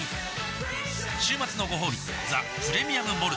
週末のごほうび「ザ・プレミアム・モルツ」